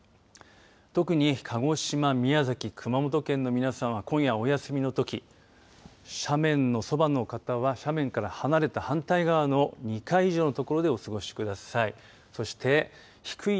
特に鹿児島宮崎、熊本県の皆さんは今夜お休みのとき斜面のそばの方は斜面から離れた反対側の２階以上の所でお過ごしください。